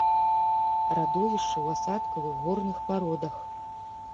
Радовішчы ў асадкавых горных пародах.